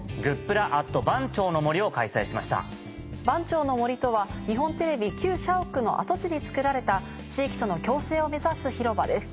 「番町の森」とは日本テレビ社屋の跡地に造られた地域との共生を目指す広場です。